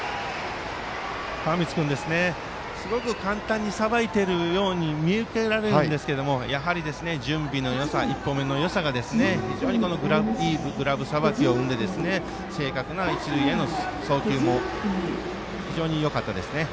川満君、簡単にさばいているように見受けられるんですがやはり準備のよさ１歩目のよさが非常にいいグラブさばきを生んで正確な一塁への送球も非常によかったです。